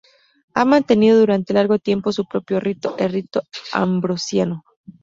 Ha mantenido durante largo tiempo su propio rito: el rito ambrosiano.